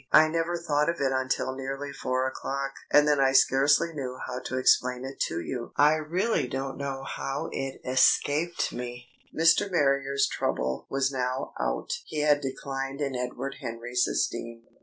I never thought of it until nearly four o'clock. And then I scarcely knew how to explain it to you. I really don't know how it escaped me." Mr. Marrier's trouble was now out, and he had declined in Edward Henry's esteem.